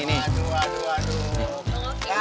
aduh aduh aduh